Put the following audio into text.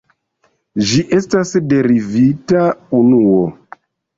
Ĝi estas derivita unuo.